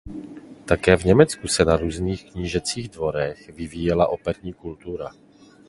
Také v Německu se na různých knížecích dvorech vyvíjela operní kultura.